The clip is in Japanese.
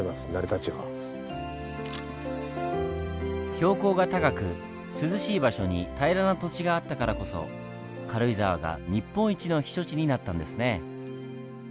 標高が高く涼しい場所に平らな土地があったからこそ軽井沢が日本一の避暑地になったんですね。